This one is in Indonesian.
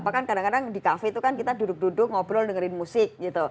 karena kadang kadang di kafe itu kita duduk duduk ngobrol dengerin musik